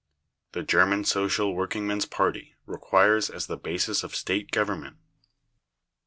The German Social Workingmen's party requires as the basis of state government: 1.